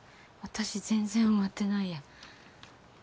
私全然終わってないや。